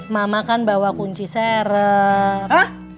mama kan bawa kunci serem